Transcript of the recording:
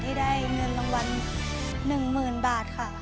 ที่ได้เงินรางวัล๑๐๐๐บาทค่ะ